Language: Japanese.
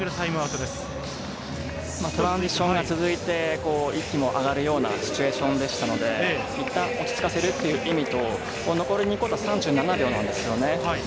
トランジションが続いて息が上がるようなシチュエーションでしたので、いったん落ち着かせるという意味と残り２クオーター、３７秒です。